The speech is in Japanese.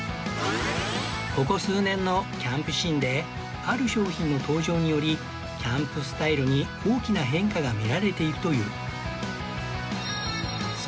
ここ数年のキャンプシーンである商品の登場によりキャンプスタイルに大きな変化がみられているという